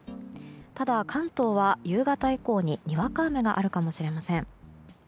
ただ、関東は夕方以降ににわか雨があるかもしれません。